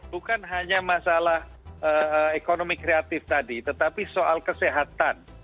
bukan hanya masalah ekonomi kreatif tadi tetapi soal kesehatan